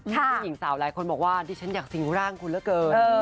ผู้หญิงสาวหลายคนบอกว่าดิฉันอยากสิ่งร่างคุณเหลือเกิน